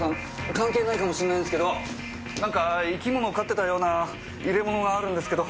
関係ないかもしれないんすけど何か生き物を飼ってたような入れ物があるんですけど。